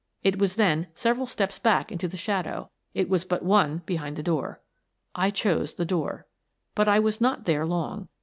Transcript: It was then several steps back into the shadow ; it was but one behind the door. I chose the door. But I was not there long.